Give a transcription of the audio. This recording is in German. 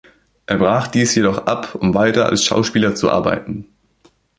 Er brach dies jedoch ab, um weiter als Schauspieler zu arbeiten.